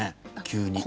急に。